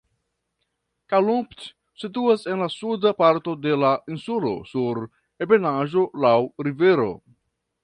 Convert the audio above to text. Calumpit situas en la suda parto de la insulo sur ebenaĵo laŭ rivero.